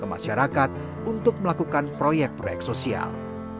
ke masyarakat untuk melakukan proyek proyek sosial